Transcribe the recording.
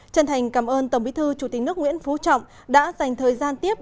chân thành cảm ơn tổng bí thư chủ tịch nước nguyễn phú trọng đã dành thời gian tiếp